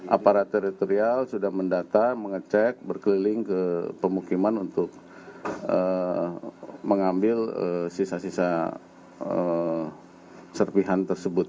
aparat teritorial sudah mendata mengecek berkeliling ke pemukiman untuk mengambil sisa sisa serpihan tersebut